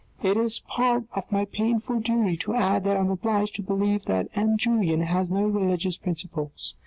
It is part of A STORM 463 my painful duty to add that I am obliged to believe that M. Julien has no religious principles.